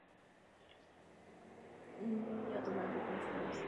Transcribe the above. Evropská unie má povinnost zabezpečit rychlý výkon přiměřených kompenzačních opatření.